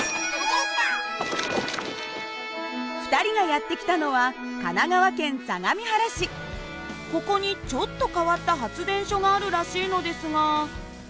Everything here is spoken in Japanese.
２人がやって来たのはここにちょっと変わった発電所があるらしいのですが。